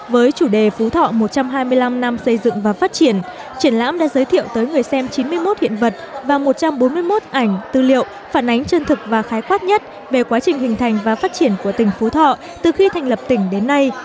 với chủ đề phú thọ một trăm hai mươi năm năm xây dựng và phát triển triển lãm đã giới thiệu tới người xem chín mươi một hiện vật và một trăm bốn mươi một ảnh tư liệu phản ánh chân thực và khái quát nhất về quá trình hình thành và phát triển của tỉnh phú thọ từ khi thành lập tỉnh đến nay